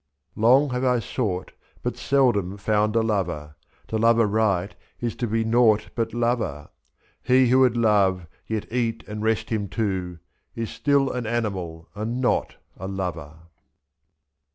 Long have T sought, but seldom found a lover; To love aright is to be nought but lover, lo'h. He who would love, yet eat and rest him too. Is still an animal, and not a lover.